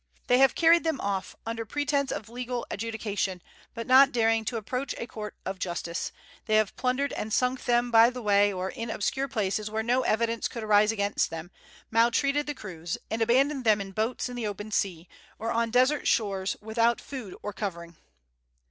They have carried them off under pretence of legal adjudication; but not daring to approach a court of justice, they have plundered and sunk them by the way, or in obscure places where no evidence could arise against them, maltreated the crews, and abandoned them in boats in the open sea, or on desert shores without food or covering."